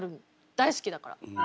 大好きだから。